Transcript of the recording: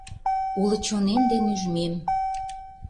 Уло чонем ден ÿжмем.